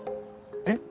えっ？